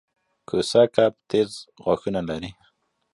کوسه کب تېز غاښونه لري